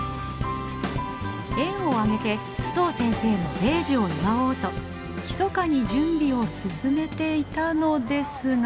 園を挙げて須藤先生の米寿を祝おうとひそかに準備を進めていたのですが。